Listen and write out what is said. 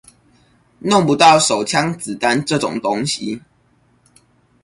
弄不到手槍子彈這種東西